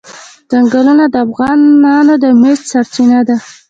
چنګلونه د افغانانو د معیشت سرچینه ده.